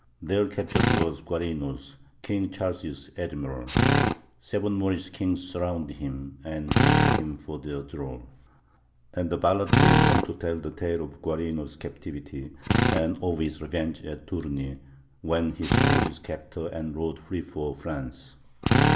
There captured was Guarinos, King Charles's Admiral: Seven Moorish kings surrounded him, and seized him for their thrall. And the ballad goes on to tell the tale of Guarinos' captivity, and of his revenge at the tourney, when he slew his captor, and rode free for France.